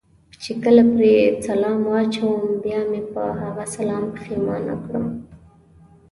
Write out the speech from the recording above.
چې کله پرې سلام واچوم بیا مې په هغه سلام پښېمانه کړم.